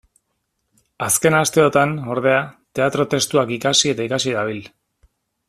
Azken asteotan, ordea, teatro-testuak ikasi eta ikasi dabil.